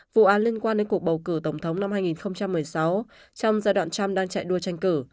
vụ án liên quan đến cuộc bầu cử tổng thống năm hai nghìn một mươi sáu trong giai đoạn trump đang chạy đua tranh cử